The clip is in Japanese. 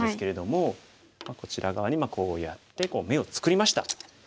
こちら側にこうやって眼を作りました。